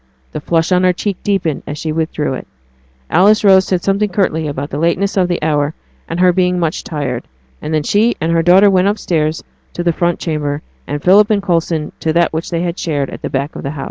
The flush on her cheek deepened as she withdrew it. Alice Rose said something curtly about the lateness of the hour and her being much tired; and then she and her daughter went upstairs to the front chamber, and Philip and Coulson to that which they shared at the back of the house.